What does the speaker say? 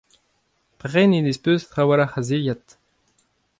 Prenet ez peus trawalc'h a zilhad.